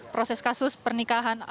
proses kasus pernikahan